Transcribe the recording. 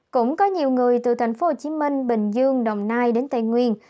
cũng có nhiều người từ tp hcm bình dương đồng nai đến tây nguyên